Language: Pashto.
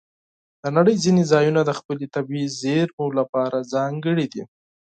د نړۍ ځینې ځایونه د خپلو طبیعي زیرمو لپاره ځانګړي دي.